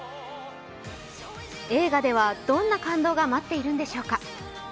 映画ではどんな感動が待っているんでしょうか。